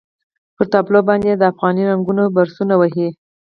پر تابلو باندې یې د افغاني رنګونو برسونه وهي.